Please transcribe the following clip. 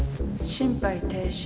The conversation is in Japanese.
心肺停止。